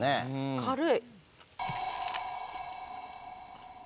軽い。